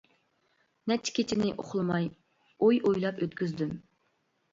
نەچچە كېچىنى ئۇخلىماي ئوي ئويلاپ ئۆتكۈزدۈم.